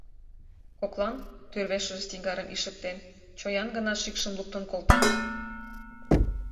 Коклан, тӱрвешыже сигарым ишыктен, чоян гына шикшым луктын колта.